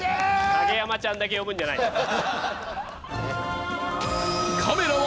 影山ちゃんだけ呼ぶんじゃないよ。